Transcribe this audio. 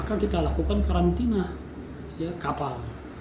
maka kita lakukan karantina kapal